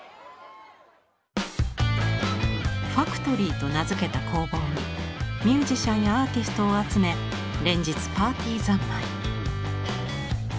ファクトリーと名付けた工房にミュージシャンやアーティストを集め連日パーティー三昧。